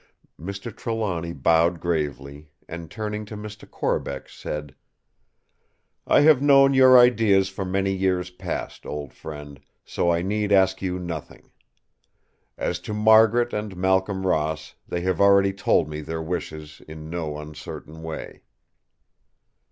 Mr. Trelawny bowed gravely, and turning to Mr. Corbeck said: "I have known your ideas for many years past, old friend; so I need ask you nothing. As to Margaret and Malcolm Ross, they have already told me their wishes in no uncertain way."